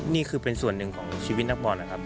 นี่คือเป็นส่วนหนึ่งของชีวิตนักบอลนะครับ